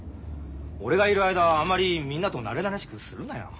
俺がいる間はあまりみんなと慣れ慣れしくするなよ。